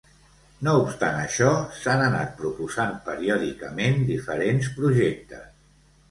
No obstant això, s'han anat proposant periòdicament diferents projectes.